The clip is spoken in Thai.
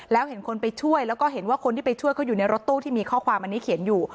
แล้วเห็นคนไปช่วยแล้วก็เห็นว่าคนที่ไปช่วยเขาอยู่ในรถตู้ที่มีข้อความอันนี้เขียนอยู่